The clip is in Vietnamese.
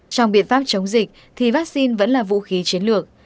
trong biện pháp chống dịch thì vaccine vẫn là vũ khí chiến lược